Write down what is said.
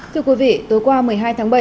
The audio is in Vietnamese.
thưa quý vị tối qua một mươi hai tháng bảy